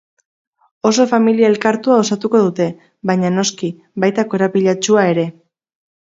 Oso familia elkartua osatuko dute, baina, noski, baita korapilatsua ere.